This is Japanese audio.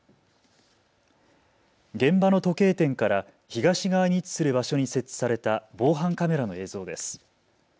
現場の時計店から東側に位置する場所に設置された防犯カメラの映像です。